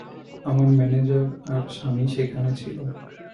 আমার ম্যানেজার আর স্বামী সেখানে ছিল।